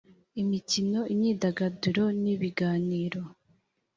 imikino imyidagaduro n ibiganiro